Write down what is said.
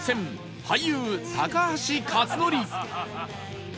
俳優高橋克典